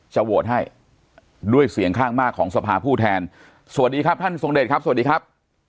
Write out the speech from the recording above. โหวตให้ด้วยเสียงข้างมากของสภาผู้แทนสวัสดีครับท่านทรงเดชครับสวัสดีครับ